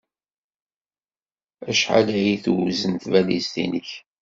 Acḥal ay tewzen tbalizt-nnek?